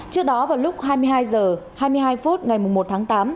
trước đó vào lúc hai mươi hai h hai mươi hai phút ngày một tháng tám